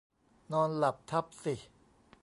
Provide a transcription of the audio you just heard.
นอนหลับทับสิ